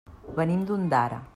Venim d'Ondara.